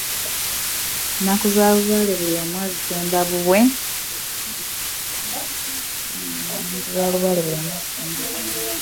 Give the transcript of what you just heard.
Nnaku za lubaale; buli omu azitenda bubwe.